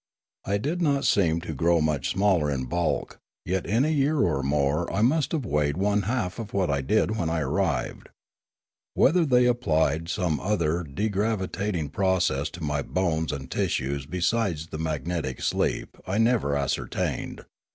I did not seem to grow much smaller in bulk; yet in a year or more I must have weighed one half what I did when I arrived. Whether they applied some other degravitating process to my bones and tissues besides the magnetic sleep I never ascertained.